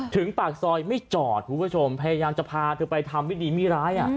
ปากซอยไม่จอดคุณผู้ชมพยายามจะพาเธอไปทำวิธีไม่ร้าย